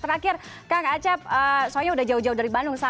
terakhir kang acep soalnya udah jauh jauh dari bandung